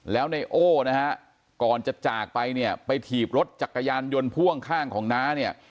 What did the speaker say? แล้วไนโอ้นะฮะก่อนจะจากไปเนี่ยไปถีบรถจักรยานยนต์พ่วงข้างของน้าเนี่ย